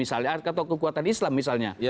atau kekuatan islam misalnya